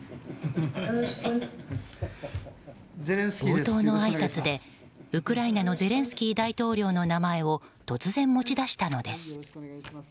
冒頭のあいさつでウクライナのゼレンスキー大統領の名前を突然、持ち出したのです。